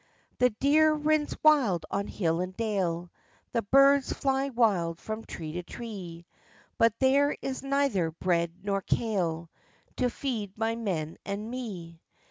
"The deer rins wild on hill and dale, The birds fly wild from tree to tree; But there is neither bread nor kale, To feed my men and me.